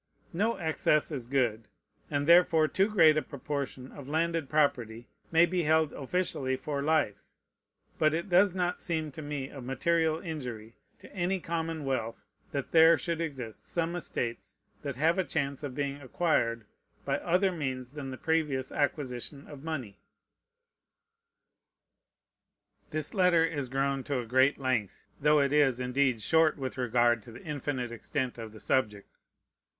No excess is good, and therefore too great a proportion of landed property may be held officially for life; but it does not seem to me of material injury to any common wealth that there should exist some estates that have a chance of being acquired by other means than the previous acquisition of money. This letter is grown to a great length, though it is, indeed, short with regard to the infinite extent of the subject.